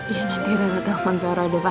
iya nanti ada telfon vero juga